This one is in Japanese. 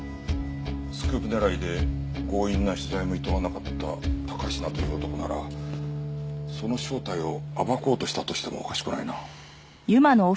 スクープ狙いで強引な取材もいとわなかった高階という男ならその正体を暴こうとしたとしてもおかしくないな。